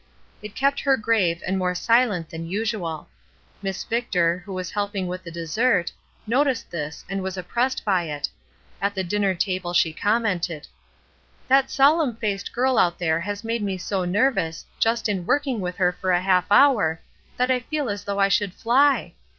It kept her grave and more silent than usual. Miss Victor, who was helping with the dessert, noticed this and was oppressed by it. At the dinner table she commented: — '^That solemn faced girl out there has made me so nervous, just in working with her for a half hour, that I feel as though I should fly!